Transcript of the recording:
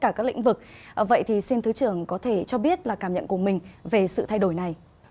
trên các lĩnh vực vậy thì xin thứ trưởng có thể cho biết là cảm nhận của mình về sự thay đổi này